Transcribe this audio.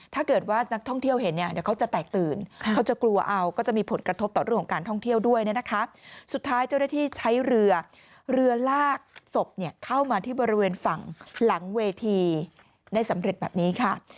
ถ้าศพเข้ามาที่บริเวณฝั่งหลังเวทีได้สำเร็จแบบนี้ค่ะ